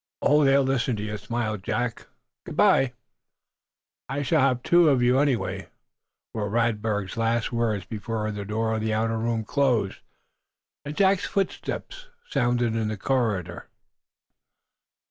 "Oh, they'll listen to you," smiled Jack. "Good bye!" "I shall have two of you, anyway," were Radberg's last words before the door of the outer room closed and Jack's footsteps sounded in the corridor.